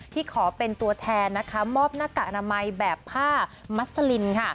ขอเป็นตัวแทนนะคะมอบหน้ากากอนามัยแบบผ้ามัสลินค่ะ